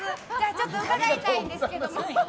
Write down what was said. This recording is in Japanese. ちょっと伺いたいんですけど。